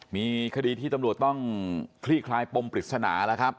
มีคดีที่ตำรวจต้องคลี่คลายปมปริศนาแล้วครับ